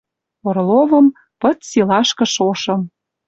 Орловым, пыт силашкы шошым.